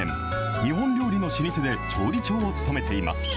日本料理の老舗で調理長を務めています。